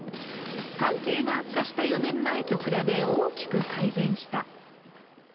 関係が悪化した４年前と比べ、大きく改善した。